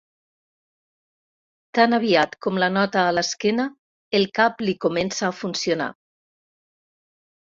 Tan aviat com la nota a l'esquena el cap li comença a funcionar.